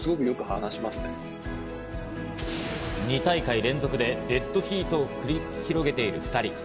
２大会連続でデッドヒートを繰り広げている２人。